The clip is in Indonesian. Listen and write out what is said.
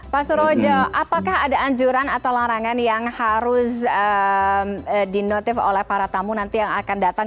pak surojo apakah ada anjuran atau larangan yang harus dinotif oleh para tamu nanti yang akan datang